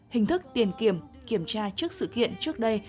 hình thức tiền kiểm tra trước sự kiện trước đây